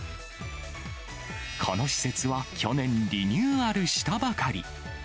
この施設は去年リニューアルしたばかり。